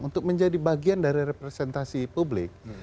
untuk menjadi bagian dari representasi publik